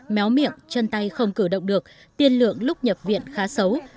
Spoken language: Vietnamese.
méo miệng chân tay không cử động được tiên lượng lúc nhập viện khá xấu